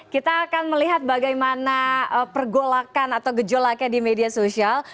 kita akan melihat bagaimana pergolakan atau gejolaknya di media sosial